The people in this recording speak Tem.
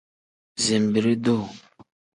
Zinbiri-duu.